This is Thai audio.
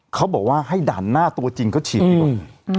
เขาบอกว่าให้ด่านหน้าตัวจริงเขาฉีดดีกว่า